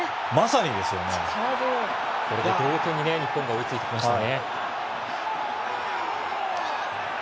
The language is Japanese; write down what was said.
これで同点に日本が追いついてきましたね。